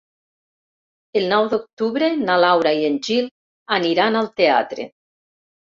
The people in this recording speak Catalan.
El nou d'octubre na Laura i en Gil aniran al teatre.